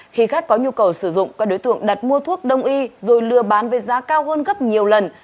khi khác có nhu cầu sử dụng các đối tượng đặt mua thuốc đông y rồi lừa bán với giá cao hơn gấp nhiều lần